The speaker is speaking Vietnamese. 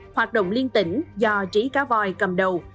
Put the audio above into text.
hoạt động liên tỉnh do trí cá voi cầm đầu